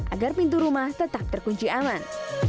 agar pintu rumah tetap terkunci aman